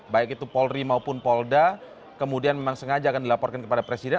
baik itu polri maupun polda kemudian memang sengaja akan dilaporkan kepada presiden